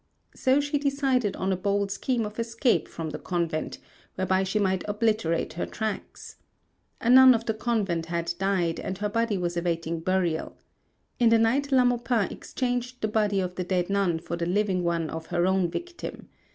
So she decided on a bold scheme of escape from the convent, whereby she might obliterate her tracks. A nun of the convent had died and her body was awaiting burial. In the night La Maupin exchanged the body of the dead nun for the living one of her own victim.